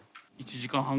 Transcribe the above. １時間半？